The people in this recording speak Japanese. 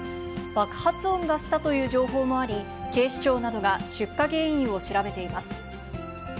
爆発音がしたという情報もあり、警視庁などが出火原因を調べています。